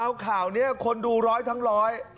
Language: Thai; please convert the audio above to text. เอาข่าวนี้คนดูร้อยทั้งร้อย